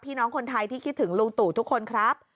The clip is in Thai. พี่น้องคนไทยที่คิดถึงลุงตู่ทุกคนครับ